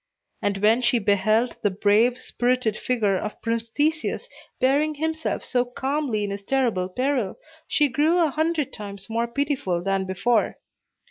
And when she beheld the brave, spirited figure of Prince Theseus bearing himself so calmly in his terrible peril, she grew a hundred times more pitiful than before.